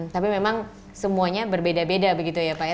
tapi memang semuanya berbeda beda begitu ya pak ya